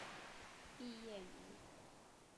毕业于。